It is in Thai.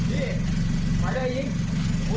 พี่คนไฟผมไม่เตินน่ะครับ